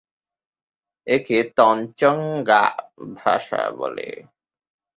একে তঞ্চঙ্গ্যা ভাষা বলে।